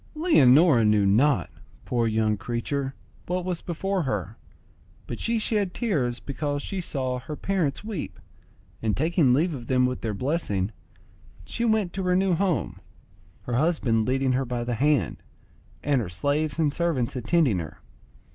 Leonora knew not, poor young creature, what was before her, but she shed tears because she saw her parents weep, and taking leave of them with their blessing, she went to her new home, her husband leading her by the hand, and her slaves and servants attending her.